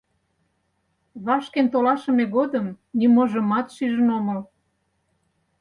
Вашкен толашыме годым ниможымат шижын омыл.